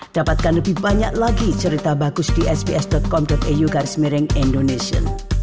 dapatkan lebih banyak lagi cerita bagus di sps com eu garis miring indonesia